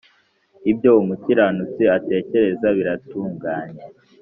ibyo umukiranutsi atekereza biratunganye,